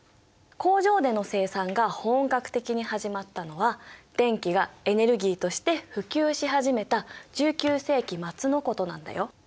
工場での生産が本格的に始まったのは電気がエネルギーとして普及し始めた１９世紀末のことなんだよ。